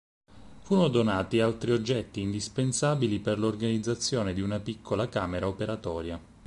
Furono donati altri oggetti indispensabili per l'organizzazione di una piccola camera operatoria.